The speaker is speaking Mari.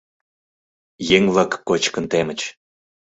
Еҥ-влак кочкын темыч.